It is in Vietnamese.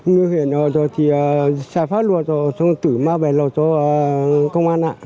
người hiện rồi thì trái pháp luật rồi xong tử ma về lột cho công an ạ